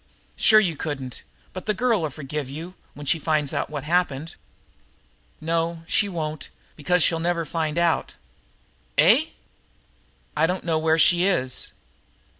"Sure you couldn't, but the girl'll forgive you when she finds out what happened." "No, she won't, because she'll never find out." "Eh?" "I don't know where she is."